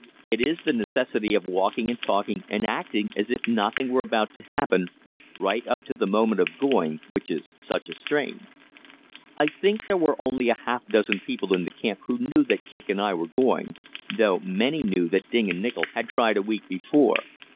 It is the necessity of walking and talking and acting as if nothing were about to happen, right up to the moment of going, which is such a strain. I think there were only half a dozen people in the camp who knew that Kicq and I were going, though many knew that Ding and Nichol had tried a week before.